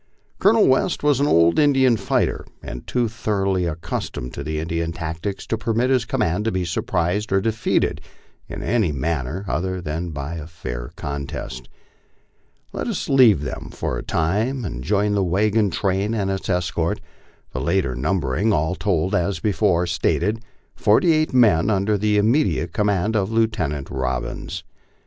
Colonel West was an old Indian fighter, and too thoroughly accustomed to Indian tactics to permit his command to be surprised or defeated in any manner other than by a fair contest. Let us leave them for a time and join the wagon train and its escort the latter numbering, all told, as before stated, forty eight men under the imme diate command of Lieutenant Robbins.